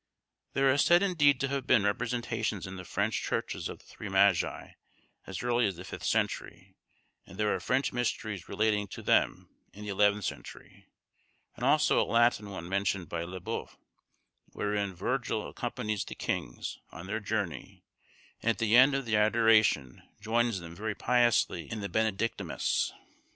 There are said indeed to have been representations in the French churches of the Three Magi as early as the fifth century; and there are French mysteries relating to them in the eleventh century, and also a Latin one mentioned by Lebeuf, wherein Virgil accompanies the kings on their journey; and at the end of the Adoration joins them very piously in the benedicamus.